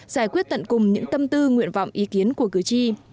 giải quyết tận cùng những tâm tư nguyện vọng ý kiến của cử tri